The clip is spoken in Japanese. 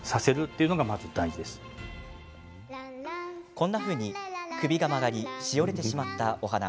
こんなふうに、首が曲がりしおれてしまったお花。